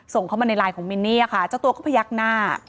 ส่งเข้ามาในไลน์ของมินนี่ค่ะเจ้าตัวก็พยักหน้า